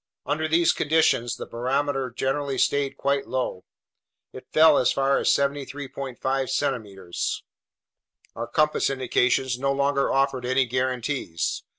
Under these conditions the barometer generally stayed quite low. It fell as far as 73.5 centimeters. Our compass indications no longer offered any guarantees.